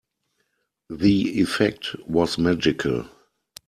The effect was magical.